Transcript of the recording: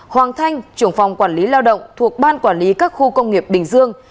hoàng thanh trưởng phòng quản lý lao động thuộc ban quản lý các khu công nghiệp bình dương